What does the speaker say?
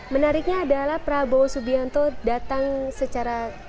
menariknya adalah prabowo subianto datang secara